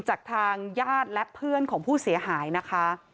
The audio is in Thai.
จากทางญาติและเพื่อนของผู้เสียหายนะคะ